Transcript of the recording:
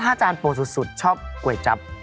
ถ้าจานโปรดสุดชอบก๋วยจับ